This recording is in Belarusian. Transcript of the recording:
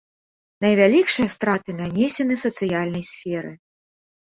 Найвялікшыя страты нанесены сацыяльнай сферы.